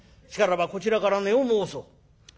しからばこちらから値を申そう。